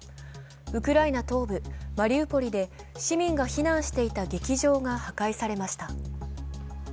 ウクライナ東部マリウポリで市民が避難していた劇場が破壊されました。